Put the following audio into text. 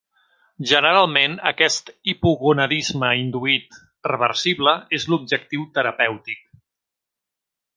Generalment aquest hipogonadisme induït i reversible és l'objectiu terapèutic.